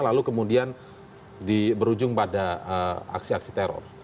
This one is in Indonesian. lalu kemudian berujung pada aksi aksi teror